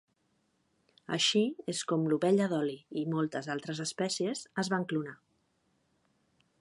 Així és com l'ovella Dolly i moltes altres espècies es van clonar.